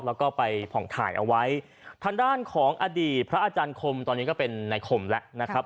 แล้วก็ไปผ่องถ่ายเอาไว้ทางด้านของอดีตพระอาจารย์คมตอนนี้ก็เป็นในคมแล้วนะครับ